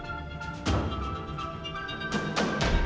hati hati di jalan